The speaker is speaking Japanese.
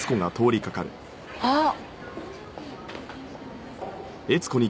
あっ！